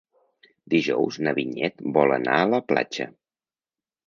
Dijous na Vinyet vol anar a la platja.